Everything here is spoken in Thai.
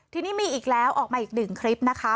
ทีนี้มีอีกแล้วออกมาอีกหนึ่งคลิปนะคะ